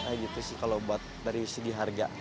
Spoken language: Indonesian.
kayak gitu sih kalau buat dari segi harga